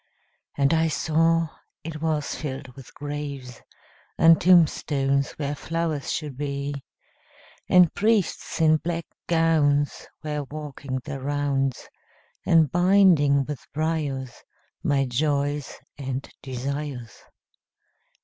And I saw it was filled with graves, And tombstones where flowers should be; And priests in black gowns were walking their rounds, And binding with briars my joys and desires.